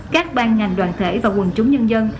các ban ngành đoàn thể và quần chúng nhân dân